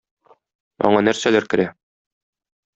Аңа нәрсәләр керә?